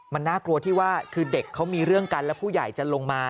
มันน่ากลัวที่ว่าคือเด็กเขามีเรื่องกันแล้วผู้ใหญ่จะลงมา